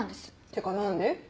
てか何で？